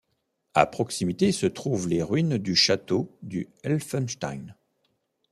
À proximité se trouvent les ruines du château du Helfenstein.